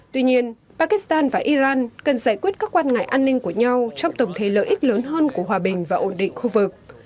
tuy nhiên pakistan và iran cần giải quyết các quan ngại an ninh của nhau trong tổng thể lợi ích lớn hơn của hòa bình và ổn định khu vực